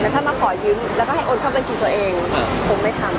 ถ้าขอยิ้มและให้อดเข้าบนชีฟัตรเองผมไม่ทำ